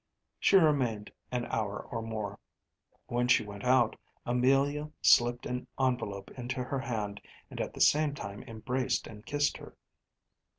She remained an hour or more. When she went out, Amelia slipped an envelope into her hand and at the same time embraced and kissed her.